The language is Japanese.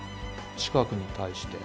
近くに対して。